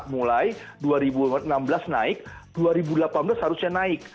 dua ribu empat belas mulai dua ribu enam belas naik dua ribu delapan belas seharusnya naik